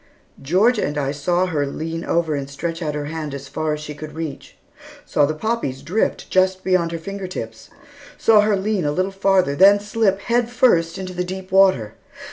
Georgia and I saw her lean over and stretch out her hand as far as she could reach; saw the poppies drift just beyond her finger tips; saw her lean a little farther, then slip, head first, into the deep water.